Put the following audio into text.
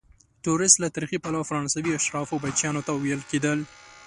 توریست له تاریخي پلوه فرانسوي اشرافو بچیانو ته ویل کیدل.